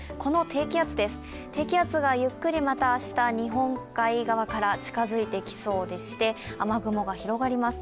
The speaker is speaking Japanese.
低気圧がゆっくりまた明日、日本海側から近づいてきそうでして雨雲が広がります。